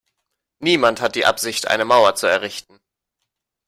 Niemand hat die Absicht, eine Mauer zu errichten.